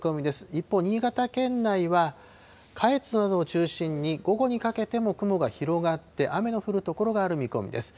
一方、新潟県内は下越などを中心に午後にかけても雲が広がって、雨の降る所がある見込みです。